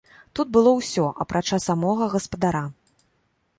Тут было ўсё, апрача самога гаспадара.